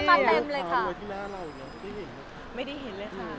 ยังไม่ได้เห็นเลยค่ะ